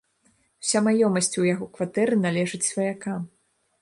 Уся маёмасць у яго кватэры належыць сваякам.